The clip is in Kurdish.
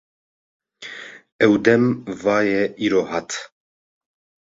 Ew dem va ye îro hat.